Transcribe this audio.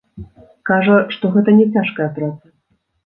Кажа, што гэта не цяжкая праца.